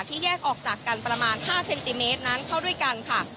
แยกออกจากกันประมาณ๕เซนติเมตรนั้นเข้าด้วยกันค่ะ